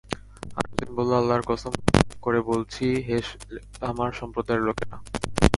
আরেকজন বলল, আল্লাহর কসম করে বললছি, হে আমার সম্প্রদায়ের লোকেরা!